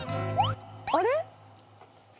あれ？